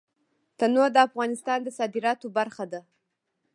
تنوع د افغانستان د صادراتو برخه ده.